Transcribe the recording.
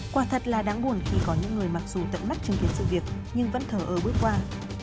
quả thật là đáng buồn khi có những người mặc dù tận mắt chứng kiến sự việc nhưng vẫn thờ ơ bước qua